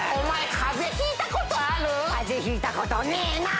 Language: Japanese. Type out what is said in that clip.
風邪ひいたことねえなぁ。